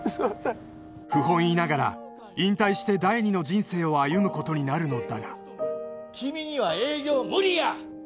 不本意ながら引退して第二の人生を歩むことになるのだが君には営業無理や！